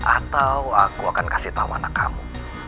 atau aku akan kasih tahu anak kamu